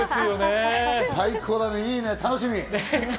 最高だね、いいね、楽しみ。